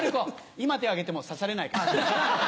今手上げても指されないから。